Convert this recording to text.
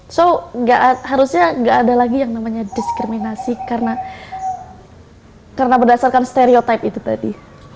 so harusnya nggak ada lagi yang namanya diskriminasi karena berdasarkan stereotype itu tadi